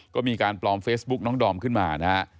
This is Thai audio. ก็มีการปลอมเฟซบุ๊กน้องดอมขึ้นมานะฮะ